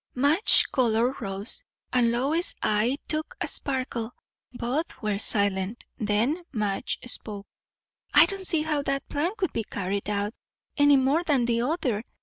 Madge's colour rose, and Lois's eye took a sparkle; both were silent. Then Madge spoke. "I don't see how that plan could be carried out, any more than the other.